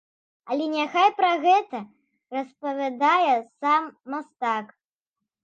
Але няхай пра гэта распавядае сам мастак.